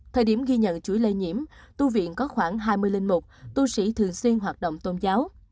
thời điểm ghi nhận chuỗi lây nhiễm tu viện có khoảng hai mươi linh mục tu sĩ thường xuyên hoạt động tôn giáo